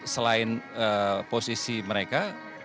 selain posisi mereka